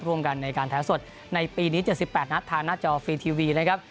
ร่วมกันในการแท้สดในปีนี้จะสิบแปดนะธนัดจอฟรีทีวีนะครับ